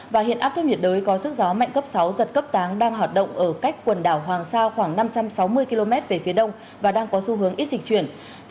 và hiện áp thấp nhiệt đới có sức gió mạnh cấp sáu giật cấp tám đang hoạt động ở cách quần đảo hoàng sa khoảng năm trăm sáu mươi km về phía đông và đang có xu hướng ít dịch chuyển